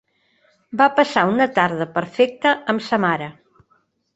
Va passar una tarda perfecta amb sa mare.